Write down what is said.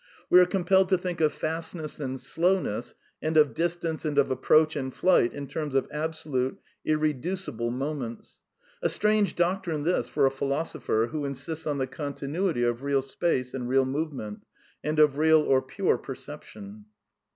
We are compelled to think of fastness and slowness, and of dis tance and of approach and flight in terms of absolute, ir reducible moments. A strange doctrine this for a philoso pher who insists on the continuity of real space and real '< movement and of real or pure perception.